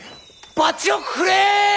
バチをくれ！